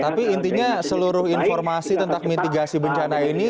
tapi intinya seluruh informasi tentang mitigasi bencana ini